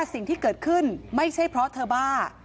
สิ่งที่เกิดขึ้นไม่ใช่เพราะเธอบ้า